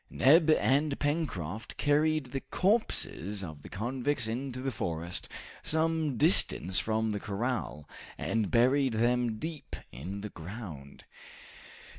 Neb and Pencroft carried the corpses of the convicts into the forest, some distance from the corral, and buried them deep in the ground.